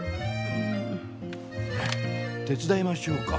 手伝いましょうか？